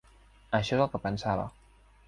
Això és el que pensava.